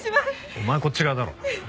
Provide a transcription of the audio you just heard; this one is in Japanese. お前はこっち側だろう。